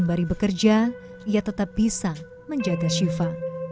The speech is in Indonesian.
dari bekerja ia tetap bisa menjaga syifa